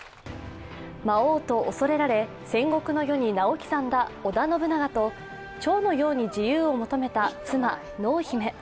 魔王と恐れられ、戦国の世に名を刻んだ織田信長と蝶のように自由を求めた妻・濃姫。